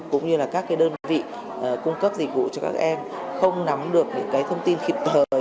cũng như là các cái đơn vị cung cấp dịch vụ cho các em không nắm được những cái thông tin khiếp thời